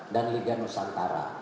dan liga nusantara